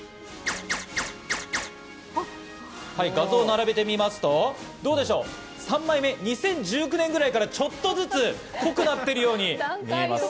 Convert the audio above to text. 画像を並べてみますと３枚目、２０１９年ぐらいからちょっとずつ濃くなっているように見えます。